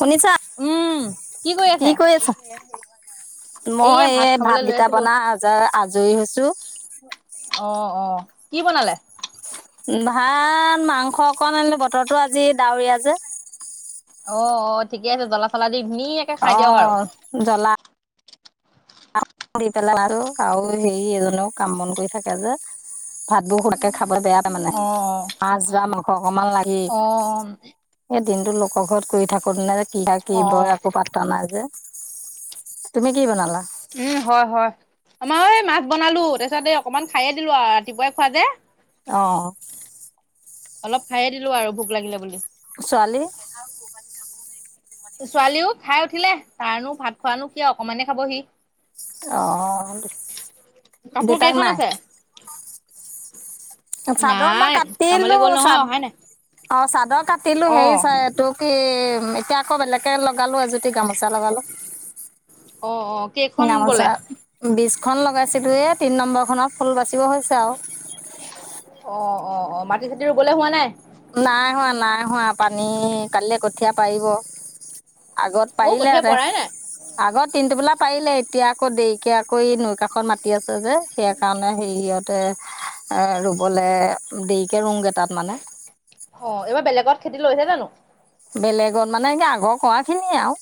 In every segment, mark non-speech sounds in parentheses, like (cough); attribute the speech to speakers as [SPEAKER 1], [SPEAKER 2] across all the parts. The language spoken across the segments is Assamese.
[SPEAKER 1] শুনিছা? কি কৰি আছা?
[SPEAKER 2] এইয়া
[SPEAKER 1] মই
[SPEAKER 2] ভাত
[SPEAKER 1] এই
[SPEAKER 2] খাবলৈ লৈ
[SPEAKER 1] ভাতকেইটা
[SPEAKER 2] আছিলো
[SPEAKER 1] বনাই আজাৰ-আজৰি হৈছো।
[SPEAKER 2] অ অ কি বনালে?
[SPEAKER 1] ভাত, মাংস অকণ আনিলো বতৰৰতো আজি ডাৱৰীয়া যে।
[SPEAKER 2] অ', অ', ঠিকে আছে। জ্বলা-চলা
[SPEAKER 1] অ', জ্বলা দি পেলাই আৰু হেই এজনেও কাম-বন কৰি থাকে যে, ভাতবোৰ সোতকে খাব বেয়া পায় মানে।
[SPEAKER 2] অ
[SPEAKER 1] মাছ বা মা অকমান লাগি
[SPEAKER 2] অ অ
[SPEAKER 1] এই দিনটো লোকৰ ঘৰত কৰি থাকো দিনে
[SPEAKER 2] অ অ
[SPEAKER 1] (unintelligible) বয় একো পাতা নাই যে তুমি কি বনালা?
[SPEAKER 2] উম', হয় হয়, আমাৰ এই মাছ বনালো, তাৰপিছত এই অকমান খায়ে দিলো আৰু ৰাতিপুৱাই খোৱা যে।
[SPEAKER 1] অ'।
[SPEAKER 2] অলপ খাইে দিলো আৰু ভোক লাগিলে বুলি।
[SPEAKER 1] ছোৱালী
[SPEAKER 2] ছোৱালীও খাই উঠিলে তাৰনো ভাত খোৱানো কিয় অকমানে খাব সি।
[SPEAKER 1] অ',
[SPEAKER 2] কাপোৰ
[SPEAKER 1] দেউতাক
[SPEAKER 2] কেইখন
[SPEAKER 1] নাই?
[SPEAKER 2] আছে
[SPEAKER 1] চাদৰ মই
[SPEAKER 2] নাই কামলৈ
[SPEAKER 1] কাটিলো,
[SPEAKER 2] গ'ল নহয়
[SPEAKER 1] চাদ
[SPEAKER 2] অহাই নাই
[SPEAKER 1] অ' চাদৰ কাটিলো,
[SPEAKER 2] অ
[SPEAKER 1] হেৰি চ তোৰ কি ততি আকৌ বেলেগে লগালো এজনী গামত (unintelligible) লগালো।
[SPEAKER 2] অ অ কেইখন বলে
[SPEAKER 1] গামোচা উম। বিছখন লগাইছিলো এ তিন নম্বৰখনত ফুল বাচি হৈছে আও।
[SPEAKER 2] অ অ', অ', মাটি চাটি ৰুবলৈ হোৱা নাই?
[SPEAKER 1] নাই হোৱা, নাই হোৱা, পানী কালিলৈ কঠীয়া পাৰিব। আগত
[SPEAKER 2] অ কঠীয়া
[SPEAKER 1] পাৰিলেহেঁতে
[SPEAKER 2] পৰাই নাই
[SPEAKER 1] আগত তিনটোপোলা পাৰিলে এতিয়া আকৌ দেৰিকে আকৌ এই নৈ কাষত মাতি আছ ছু যে সেই কাৰণে হেৰি ইহঁতে এ ৰুবলে দেৰিকে ৰুওগে তাত মানে।
[SPEAKER 2] অ', এইবাৰ বেলেগত খেতি লৈছে জানো?
[SPEAKER 1] বেলেগত মানে এ আগৰ কৰাখিনিয়ে আৰু।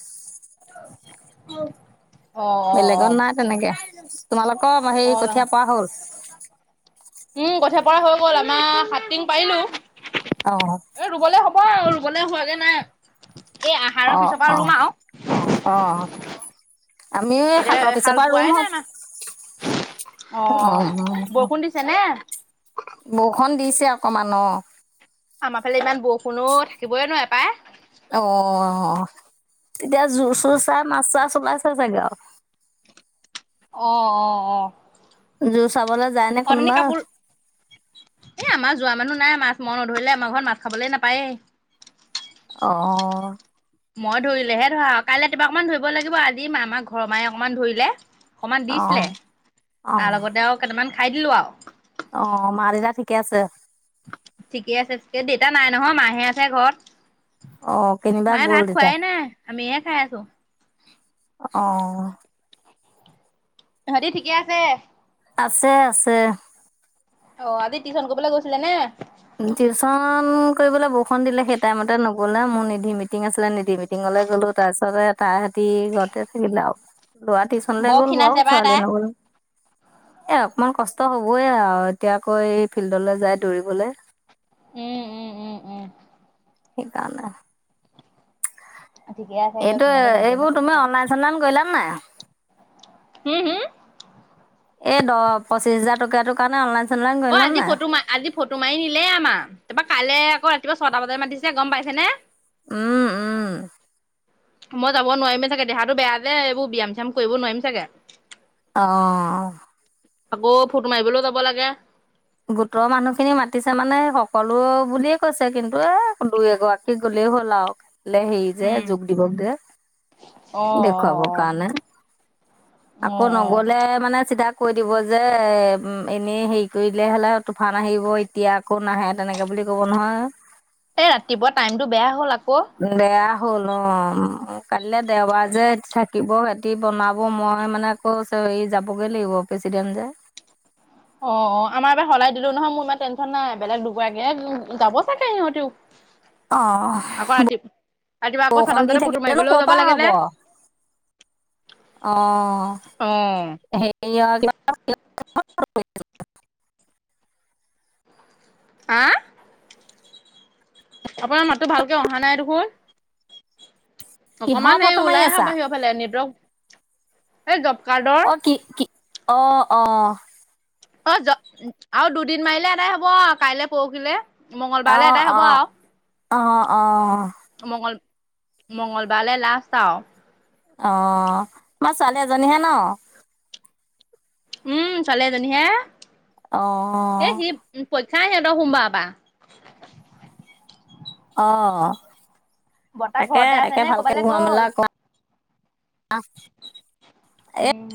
[SPEAKER 2] অ অ অ
[SPEAKER 1] বেলেগত নাই তেনেকে, তোমালোকৰ হে
[SPEAKER 2] অ
[SPEAKER 1] কঠীয়া পৰা হ'ল?
[SPEAKER 2] হ'ল আমাৰ সাতটিং পাৰিলোঁ।
[SPEAKER 1] অ
[SPEAKER 2] এ ৰুবলে হ'ব আৰু কলে হোৱাগে নাই। এই আহাৰৰ
[SPEAKER 1] অ',
[SPEAKER 2] পিছৰ পৰা ৰুম
[SPEAKER 1] অ',
[SPEAKER 2] আৰু
[SPEAKER 1] অ'। আমি
[SPEAKER 2] এতিয়া
[SPEAKER 1] সাতৰ পিছৰ
[SPEAKER 2] হাল
[SPEAKER 1] পৰা
[SPEAKER 2] বোৱাই
[SPEAKER 1] ৰুম
[SPEAKER 2] নাই
[SPEAKER 1] হম,
[SPEAKER 2] আমাৰ অ
[SPEAKER 1] উম,
[SPEAKER 2] বৰষুণ দিছে নে
[SPEAKER 1] বৰষুণ দিছে অকমান, অ'।
[SPEAKER 2] আমাৰ ফালে ইমান বৰষুণ অ', থাকিবই নোৱাৰে পাই।
[SPEAKER 1] অ'। তেতিয়া জোৰ চোৰ চাই নাছা চলাইছে চাগে আৰু।
[SPEAKER 2] অ', অ', অ'।
[SPEAKER 1] (unintelligible) নে
[SPEAKER 2] অথনী
[SPEAKER 1] কোনোবা
[SPEAKER 2] কাপোৰ, এ, আমাৰ যোৱা মানুহ নাই মাছ মই নধৰিলে আমাৰ ঘৰত মাছ খাবলে নাপায়ে।
[SPEAKER 1] অ'।
[SPEAKER 2] মই ধৰিলেহে ধৰা। কাইলৈ কিবা অকমান ধৰিব লাগিব, আজি আমাৰ ঘৰৰ মায়ে অকণমান ধৰিলে অকমান দিছিলে,
[SPEAKER 1] অ',
[SPEAKER 2] তাৰ
[SPEAKER 1] অ',
[SPEAKER 2] লগতে আৰু কেইটামান খাই দিলোঁ আৰু।
[SPEAKER 1] অ', মা দেউতা ঠিকে আছে?
[SPEAKER 2] ঠিকে আছে, দেউতা নাই নহয়, মাহে আছে ঘৰত।
[SPEAKER 1] অ', কেনিবা
[SPEAKER 2] মায়ে
[SPEAKER 1] গ'ল
[SPEAKER 2] ভাত
[SPEAKER 1] দেউতা
[SPEAKER 2] খোৱাই নাই, আমিহে খাই আছো।
[SPEAKER 1] অ'।
[SPEAKER 2] ইহতি ঠিকে আছে?
[SPEAKER 1] আছে আছে।
[SPEAKER 2] অ', আজি টিউচন কৰিবলৈ গৈছিলে নে?
[SPEAKER 1] খন দিলে সেই টাইমতে নগ'লে, মোৰ নিধি মিটিং আছিলে নিধি মিটিঙলৈ গ'লো। তাৰপিছতে তাহাতি ঘৰতে থাকিলে আৰু। ল'ৰা টিউচন লৈ
[SPEAKER 2] বৰ
[SPEAKER 1] গ'ল বাৰু,
[SPEAKER 2] খীণাইছে পাই
[SPEAKER 1] ছোৱালী
[SPEAKER 2] তাই।
[SPEAKER 1] নগ'ল। এ অকমান কষ্ট হ'বই আৰু। এতিয়া আকৌ এ ফিল্ডলৈ যায় দৌৰিবলে।
[SPEAKER 2] উম উম উম উম।
[SPEAKER 1] সেইকাৰণে।
[SPEAKER 2] ঠিকে আছে দিয়ক
[SPEAKER 1] এইটো,
[SPEAKER 2] তেনেকে যেনে
[SPEAKER 1] এইবোৰ তুমি
[SPEAKER 2] তেনে
[SPEAKER 1] অনলাইন-চললাইন কৰিলা নে নাই?
[SPEAKER 2] হুম হুম
[SPEAKER 1] এই দহ-পঁচিছ হাজাৰ টকাটোৰ কাৰণে অনলাইন চনলাইন
[SPEAKER 2] অ',
[SPEAKER 1] কৰিলা
[SPEAKER 2] আজি
[SPEAKER 1] নাই
[SPEAKER 2] ফ'টো মাৰ আজি ফটো মাৰি নিলে আমাৰ। তাৰপৰা কাইলে আকৌ কিবা ছটা বজাত মাতিছে গম পাইছে নে?
[SPEAKER 1] উম, উম।
[SPEAKER 2] মই যাব নোৱাৰিমে চাগে, দেহাতো বেয়া যে। এইবোৰ ব্যায়াম-চ্যাম কৰিব নোৱাৰিম চাগে।
[SPEAKER 1] অ'।
[SPEAKER 2] আকৌ ফুট মাৰিবলৈও যাব লাগে।
[SPEAKER 1] গোটৰ মানুহখিনি মাতিছে মানে সকলো বুলিয়ে কৈছে, কিন্তু এ দুই-এগৰাকী গ'লেও হ'ল আৰু। লে হেৰি যে
[SPEAKER 2] উম
[SPEAKER 1] যোগ দিৱস ডে,
[SPEAKER 2] অ অ
[SPEAKER 1] দেখুৱাব কাৰণে।
[SPEAKER 2] অ অ
[SPEAKER 1] আকৌ
[SPEAKER 2] অ
[SPEAKER 1] নগ'লে মানে চিধা কৈ দিব যে এনেই হেৰি তুৰিলে হ'লে তুফান আহিব, এতিয়া আকৌ নাহে। তেনেকে বুলি ক'ব নহয়।
[SPEAKER 2] এ, ৰাতিপুৱা টাইমতটো বেয়া হ'ল আ
[SPEAKER 1] বেয়া হ'ল অ', কাইলৈ দেওবাৰ যে থাকিব তি বনাব। মই মানে আকৌ হেৰি যাবগৈ লাগিব, প্ৰেচিডেণ্ট যে।
[SPEAKER 2] অ', অ', আমাৰ এবাৰ সলাই দিলো নহয়। মোৰ ইমান টেনশ্যন নাই। বেলেগ দুগৰাকীয়ে যাব চাগে সিহঁতিও। আকৌ
[SPEAKER 1] অহ,
[SPEAKER 2] ৰাতি ৰাতিপুৱা আকৌ ছটা
[SPEAKER 1] বৰষুণ দি
[SPEAKER 2] বজাতে ফটো
[SPEAKER 1] থাকিলেনো ক'ৰ
[SPEAKER 2] মাৰিবলৈও যাব
[SPEAKER 1] পৰা
[SPEAKER 2] লাগে
[SPEAKER 1] হ'ব।
[SPEAKER 2] যে
[SPEAKER 1] অ', হেৰিয়ৰ কিবা (inaudible)
[SPEAKER 2] আ? আপোনাৰ মাতটো ভালকে অহা নাই দেখোন?
[SPEAKER 1] কিহৰ
[SPEAKER 2] অকমান সেই
[SPEAKER 1] ফটো মাৰি
[SPEAKER 2] ওলাই আহক
[SPEAKER 1] আছা?
[SPEAKER 2] বাহিৰৰ ফালে নেটৱৰ্ক এই জব কাৰ্ডৰ
[SPEAKER 1] অ', কি কি? অ', অ'।
[SPEAKER 2] অ' জ, আৰু দুদিন মাৰিলে এদাই হ'ব আ কাইলে পৰসিলে।
[SPEAKER 1] অ', অ', অ', অ'।
[SPEAKER 2] মঙ্গলবাৰলৈ লাষ্ট আওঁ।
[SPEAKER 1] অ', তোমাৰ ছোৱালী এজনীহে ন?
[SPEAKER 2] উম ছোৱালী এজনীহে। এ
[SPEAKER 1] অ'
[SPEAKER 2] সি উ প চাই, সিহঁতৰ সোমবাৰৰ পৰা।
[SPEAKER 1] অ'।
[SPEAKER 2] বৰ্তা
[SPEAKER 1] তাকে
[SPEAKER 2] ঘৰতে আছে
[SPEAKER 1] তাকে
[SPEAKER 2] নে
[SPEAKER 1] ভালকে
[SPEAKER 2] ক'বালৈ গ'ল
[SPEAKER 1] বোৱা-মেলা ক
[SPEAKER 2] উম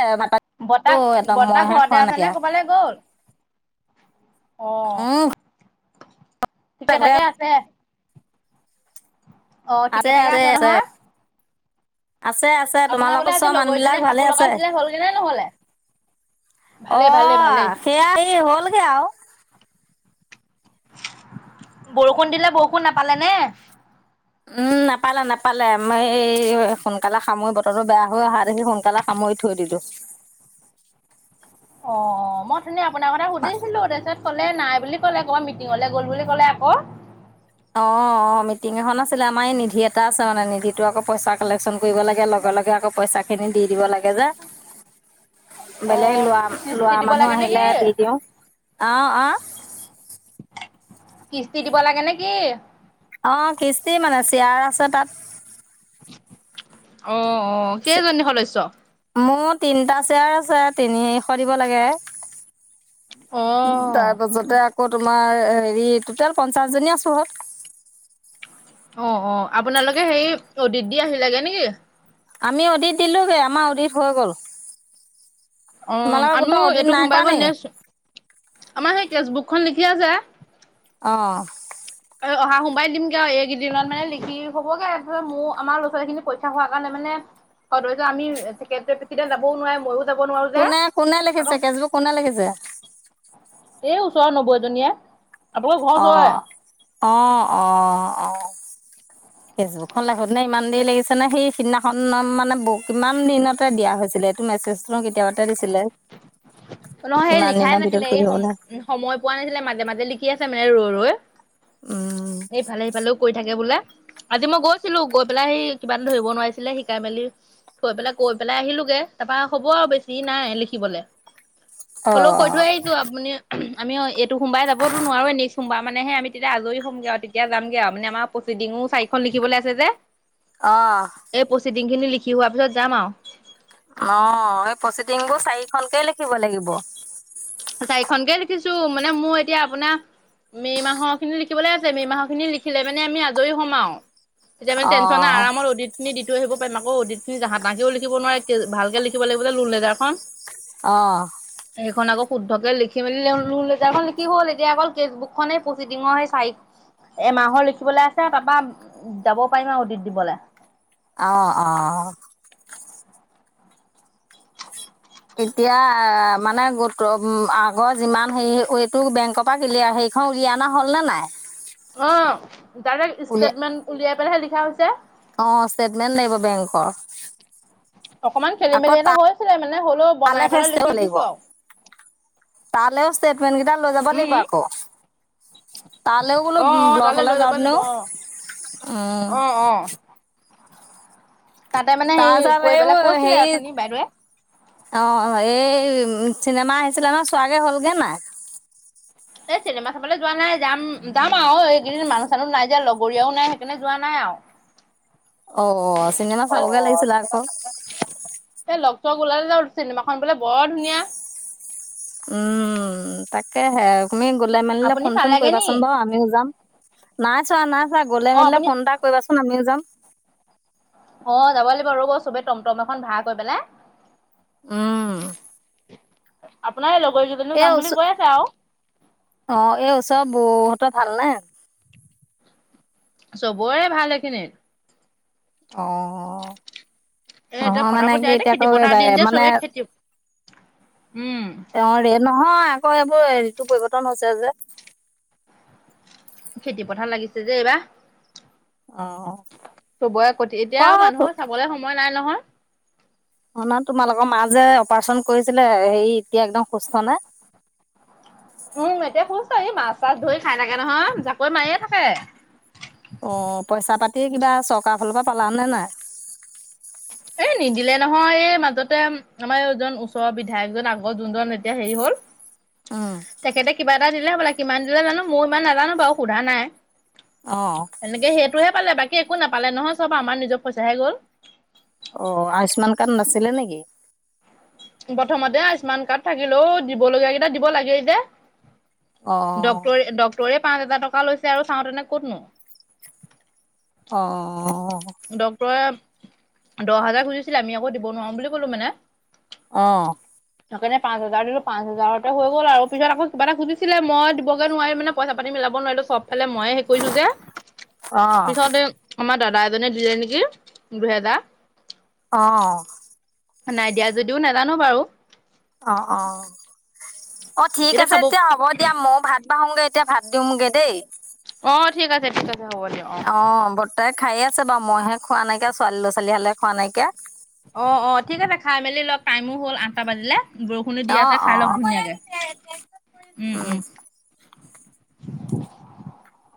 [SPEAKER 1] এ ভাত পানীটো
[SPEAKER 2] বতা
[SPEAKER 1] একদম মইহে
[SPEAKER 2] ব্টতাহ
[SPEAKER 1] খোৱা
[SPEAKER 2] ঘৰতে আছে
[SPEAKER 1] নাইকিয়া
[SPEAKER 2] নে ক'বালৈ গ'ল অ'
[SPEAKER 1] উম
[SPEAKER 2] ঠিকে ঠাকে আছে অ ঠিকে থঠাকে আছে নহয়
[SPEAKER 1] আছে আছে
[SPEAKER 2] আপোনাৰ বোলে
[SPEAKER 1] তোমালোকৰ
[SPEAKER 2] আজি
[SPEAKER 1] চোৱা মানুহ বিলাক
[SPEAKER 2] লগৰজনীয়ে
[SPEAKER 1] ভালে
[SPEAKER 2] কাপোৰ
[SPEAKER 1] আছে
[SPEAKER 2] লগাইছিলে হ'লগে নে নহ'লে?
[SPEAKER 1] অ
[SPEAKER 2] ভালেই ভালেই ভালেই।
[SPEAKER 1] সেয়া এই হ'লগে আওঁ
[SPEAKER 2] বৰষুণ দিলে বৰষুণ নাপালে নে
[SPEAKER 1] উম নাপালে নাপালে মই এই সোনকালে সামৰি বতৰটো বেয়া হৈ অহা দেখি সোনকালে সামৰি থৈ দিলো
[SPEAKER 2] অ ম অঠুনি আপোনাক কথা সুধিছিলোঁ তাচট কলে নাই বুলি কলে আ মিটিঙলে গল বুলি ক'লে আকৌ
[SPEAKER 1] অ অ মিটিং এখন আছিলে আমাৰ এই নিধি এটা আছে মানে নিধিণ টো আকৌ পইচা কালেকশচন কৰিব লাগে লগে লগে আকৌ পইচা খিনি দি দিব লাগে যে বেলেগ
[SPEAKER 2] অ'
[SPEAKER 1] লোৱা
[SPEAKER 2] কিস্তি
[SPEAKER 1] লোৱা
[SPEAKER 2] দিব
[SPEAKER 1] মানুহ
[SPEAKER 2] লাগে নে
[SPEAKER 1] আহিলে
[SPEAKER 2] কি?
[SPEAKER 1] দি দিওঁ অ অঁ
[SPEAKER 2] কিস্তি দিব লাগে নে কি
[SPEAKER 1] অ কিস্তি মানে চিয়াৰ আছে তাত
[SPEAKER 2] অ অ কেইজনী সদস্য
[SPEAKER 1] মোৰ তিনিটা চেয়াৰ আছে তিনি এশ দিব লাগে তাৰ
[SPEAKER 2] অ'
[SPEAKER 1] পাছতে আকৌ তোমাৰ হেৰি টটেল পঞ্চাছজনী আছোঁ ক
[SPEAKER 2] অ অ আপোনালোকে সে অদিত দি আহি লাগে নেকি
[SPEAKER 1] আমি অডিট দিলোগে আমাৰ অডিত হৈ গ'ল
[SPEAKER 2] অ
[SPEAKER 1] তোমালোকৰ গোটৰ
[SPEAKER 2] আমিও
[SPEAKER 1] অডিট
[SPEAKER 2] এইটো
[SPEAKER 1] নাই
[SPEAKER 2] সোমবাই
[SPEAKER 1] কৰা
[SPEAKER 2] গঘ
[SPEAKER 1] নেকি?
[SPEAKER 2] নেস্ক আমাৰ সেই কেচবুক খন লিখি আছে
[SPEAKER 1] আহ
[SPEAKER 2] অহা সোমাই দিমগে আৰু এইকেইদিনত মানে লিখি হবগে তাৰপিছ মোৰ আমাৰ লৰা ছোৱালী খিনি পইচা হোৱাৰ কাৰণে মানে সদস্য যাবও নোৱাৰে ময়ো যাব নোৱাৰো যে।
[SPEAKER 1] কোনে কোনে
[SPEAKER 2] আকৌ
[SPEAKER 1] লিখিছে কেচবোক কোনে লিখিছে
[SPEAKER 2] এই ওচৰৰ নবৌ এজনীয়ে আপোনালোকৰ ঘৰ
[SPEAKER 1] অ
[SPEAKER 2] ওচৰৰে।
[SPEAKER 1] অ অ অ ফেচবুকখন লাগ নে ইমান দেৰি লাগিছে ন সিদিনা মানে কিমান দিনতে দিয়া হৈছিলে এইটো মেছেজো কেতিয়াবাতে দিছিলে
[SPEAKER 2] নহয় সেই
[SPEAKER 1] ইমান
[SPEAKER 2] লিখাই
[SPEAKER 1] দিনৰ ভিতৰত
[SPEAKER 2] নাছিলে এই
[SPEAKER 1] কৰি
[SPEAKER 2] সময়
[SPEAKER 1] হ'বলা
[SPEAKER 2] উ সময় পোৱা নাছিলে মাজে মাজে লিখি আছে মানে ৰ ৰৈ
[SPEAKER 1] উম,
[SPEAKER 2] সেইফালে সেইফালেও কৰি থাকে বোলে। আজি মই গৈছিলো গৈ পেলাই আহি কিবা এটা ধৰিব নোৱাৰিছিলে শিকাই মেলি থৈ পেলাই গৈ পেলাই আহিলোোগে তাৰপা হ'ব আৰু বেছি নাই লিখিবলে। হলো কৈ থৈ
[SPEAKER 1] অ',
[SPEAKER 2] আহিছো আপুনি আমি এইটো সোমবাৰে যাবতোনুৱাৰো নেক্সট সোমবাৰ মানে আমিতি আজৰি হ'মগে আৰু তেতিয়া যামগে আৰু মানে আমাৰ প্ৰচিডিঙো চাৰিখন লিখিবলৈ আছে যে।
[SPEAKER 1] অ',
[SPEAKER 2] এই প্ৰচিদিংখিনি লিখি লিখি হোৱাৰ পিছত যাম আৰু।
[SPEAKER 1] অ এই প্ৰচিডিং বোৰ চাৰিখনকেই লিখিব লাগিব।
[SPEAKER 2] চাৰিখনকে লিখিছো মানে মোৰ এতিয়া আপোনাৰ মে' মাহৰ খিনি লিখিবলৈ আছে মে' মাহৰ খিনি লিখিলে মানে আমি আজৰি হম্ আৰু। তেতিয়া মানে টেনচন
[SPEAKER 1] অ',
[SPEAKER 2] আৰামৰ অদিনি দিম। আহিব পাৰিম আকৌ অদিতিনিহ তাহেও লিখিব নোৱাৰে কে ভালকে লিখিব লাগিব যে লোন লেটাৰখন।
[SPEAKER 1] অ'।
[SPEAKER 2] সেইখন আকৌ শুদ্ধকে লিখি মেলি লিখি হ'ল এতিয়া অকল ফেচবুক খনেই পচিডিঙৰ সেই চাৰি এমাহৰ লিখিবলৈ আছে তাৰপা যাব পাৰিম আৰু অডিট দিবলৈ।
[SPEAKER 1] আহ অ'। এতিয়া মানে গোটৰ আগৰ যিমান হেৰি এইটো বেংকৰ পৰা কিলিয়াৰ সেইখন উলিয়াই অনা হ'ল নে নাই।
[SPEAKER 2] আহ। ডাইৰেক্ট
[SPEAKER 1] উলিয়াই
[SPEAKER 2] ষ্টেটমেণ্ট উলিয়াই লিখা হৈছে।
[SPEAKER 1] অ ষ্টেটমেণ্ট লাগিব বেংকৰ।
[SPEAKER 2] অকণমান খেলি
[SPEAKER 1] আকৌ
[SPEAKER 2] মেলি এটা
[SPEAKER 1] তাৰ
[SPEAKER 2] হৈছিলে মানে হ'লেও বনাই
[SPEAKER 1] তালৈ
[SPEAKER 2] পেলাই
[SPEAKER 1] ফেচ
[SPEAKER 2] লিখি
[SPEAKER 1] কৰিবি লাগিব
[SPEAKER 2] দিছো আৰু
[SPEAKER 1] তালৈও ষ্টেটমেণ্ট কেইটা লৈ যাব
[SPEAKER 2] উম,
[SPEAKER 1] লাগিব
[SPEAKER 2] উম।
[SPEAKER 1] আকৌ তালৈও বোলো
[SPEAKER 2] অ', অ' তালৈ লৈ
[SPEAKER 1] ব্লকলৈ
[SPEAKER 2] যাব
[SPEAKER 1] যাওঁ
[SPEAKER 2] লাগিব অ',
[SPEAKER 1] ওম।
[SPEAKER 2] অ', অ' তাতে মানে হেৰি
[SPEAKER 1] তাৰচাৰ
[SPEAKER 2] কৰি পেলাই
[SPEAKER 1] এইবোৰ
[SPEAKER 2] কৈছিলে
[SPEAKER 1] হেই
[SPEAKER 2] অথনি বাইদেৱে
[SPEAKER 1] অ এই উ চিনেমা আহিছিলে ন চোৱাগে হ'লগে নাই।
[SPEAKER 2] এই চিনেমা চাবলৈ যোৱা নাই যাম যাম আৰু এইকেইদিন মানুহ চানুহ নাই যে লগৰীয়াও নাই সেইকাৰণে যোৱা নাই আৰু।
[SPEAKER 1] অ চিনেমা চাবগে লাগিছিলে আকৌ।
[SPEAKER 2] এই লগ চগ ওলালে যা চিনেমাখন বোলে বৰ ধুনীয়া।
[SPEAKER 1] উম তাকে হে। তুমি গ'লোই মেলিলে
[SPEAKER 2] আপুনি
[SPEAKER 1] ফোন চোন
[SPEAKER 2] চালেগে নি?
[SPEAKER 1] কৰিবাচোন বাৰু আমিও যাম। না চোৱা না গলে
[SPEAKER 2] অ
[SPEAKER 1] মিলে
[SPEAKER 2] আপুনি
[SPEAKER 1] ফোন এটা কৰিবাচোন। আমিও যাম।
[SPEAKER 2] অ যাব লাগিব ৰব চবে টমটম এখন ভাড়া কৰি পেলাই।
[SPEAKER 1] উম।
[SPEAKER 2] আপোনাৰ লগ গৈকেইজনো
[SPEAKER 1] এই
[SPEAKER 2] যাম বুলি
[SPEAKER 1] ওচৰ
[SPEAKER 2] কৈ আছে আৰু।
[SPEAKER 1] অ এই উচৰত বোৱ হতৰ ভালনে?
[SPEAKER 2] চবৰে ভাল এইখিনিত।
[SPEAKER 1] অ'।
[SPEAKER 2] এ এতিয়া
[SPEAKER 1] নহয় মানে
[SPEAKER 2] ফটাফট
[SPEAKER 1] কি এতিয়া আকৌ
[SPEAKER 2] খেতি পথাৰ দিন
[SPEAKER 1] এইবাৰে
[SPEAKER 2] যে
[SPEAKER 1] মানে,
[SPEAKER 2] চবে খেতি উম
[SPEAKER 1] (unintelligible) নহয় আকৌ এইবোৰ, ঋতু পৰিৱৰ্তন হৈছে যে।
[SPEAKER 2] খেতি পথাৰত লাগিছে যে এইবাৰ।
[SPEAKER 1] অ
[SPEAKER 2] চবৰে কতি, এতিয়া
[SPEAKER 1] অ
[SPEAKER 2] আৰু মানুহৰ চাবলে সময় নাই নহয়।
[SPEAKER 1] অ', ন তোমালোকৰ মা যে অপাৰচন কৰিছিলে, হেই এতিয়া একদম সুস্থ নে?
[SPEAKER 2] উম, এতিয়া সুস্থ, এই মাছ চাছ ধৰি খাই থাকে নহয়, জাকৈ মাৰিয়ে থাকে।
[SPEAKER 1] অ', পইচা পাতি কিবা চৰকাৰৰ ফালৰ পৰা পালাানে নাই?
[SPEAKER 2] এ নিদিলে নহয়। এই মাজতে আমাৰ এইজন ওচৰৰ বিধায়কজন আগৰ যোনজন এতিয়া হেৰি হল
[SPEAKER 1] উম
[SPEAKER 2] তেখেতে কিবা (unintelligible) দিলে বোলে, কিমান দিলে জানো, মই ইমান নাজানো বাৰু সোধা নাই।
[SPEAKER 1] অ
[SPEAKER 2] এনেকে সেইটোহে (unintelligible) বাকী একো নাপালে নহয়, চব আমাৰ নিজৰ পইচাহে গ'ল।
[SPEAKER 1] অ' আয়ুস্মান কাৰ্ড নাছিলে নেকি?
[SPEAKER 2] প্ৰথমতে আয়ুস্মান কাৰ্ড থাকিলেও, দিব লগীয়া কেইটা দিব লাগেই যে।
[SPEAKER 1] অ
[SPEAKER 2] ডক্টৰে, ডক্টৰে পাঁচ হাজাৰ টকা লৈছে আৰু চাওঁতেনে ক'তনো।
[SPEAKER 1] অ
[SPEAKER 2] ডক্টৰে দহ হাজাৰ খুজিছিলে। আমি আকৌ দিব নোৱাৰো বুলি কলো মানে।
[SPEAKER 1] অ'।
[SPEAKER 2] সেকাৰনে পাঁচ হাজাৰ দিলো, পাঁচ হাজাৰতে হৈ গ'ল আৰু। পিছত আকৌ কিবা এটা খুজিছিলে, মই দিবগে নোৱাৰি মানে পইচা পাতি মিলাব নোৱাৰিলোঁ, চব ফালে ময়ে সেই কৰিছো যে, পিছত এ আমাৰ (unintelligible) (unintelligible) দিলে নেকি দুহেজাৰ।
[SPEAKER 1] অ'।
[SPEAKER 2] নাই দিয়া যদিওঁ নাজানো বাৰু।
[SPEAKER 1] অ', অ'। অ', ঠিক
[SPEAKER 2] এতিয়া
[SPEAKER 1] আছে
[SPEAKER 2] খাব
[SPEAKER 1] তেতিয়া হ'ব দিয়া, মইও ভাত বাহুগে। এতিয়া ভাত দিওঁগে দেই।
[SPEAKER 2] অ', ঠিক আছে, ঠিক আছে। হ'ব দিয়ক
[SPEAKER 1] অ', বৰ্তাই খাইয়ে আছে বাৰু, মইহে খোৱা নাইকিয়া, ছোৱালী লৰা-ছোৱালী হালে খোৱা নাইকিয়া।
[SPEAKER 2] অ', অ', ঠিক আছে খাই মেলি লক, টাইমো হ'ল আঠটা বাজিলে। বৰষুণো দি
[SPEAKER 1] অ
[SPEAKER 2] আছে,
[SPEAKER 1] অ
[SPEAKER 2] খাই লওঁক ধুনীয়াকে। উম, উম। (inaudible)